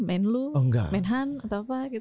menlu menhan atau apa gitu